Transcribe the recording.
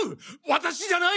私じゃない！！